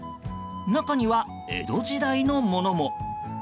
中には江戸時代のものも。